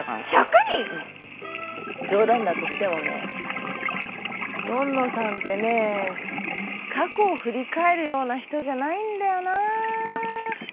まあ冗談だとしてもねのんのさんってね過去を振り返るような人じゃないんだよな。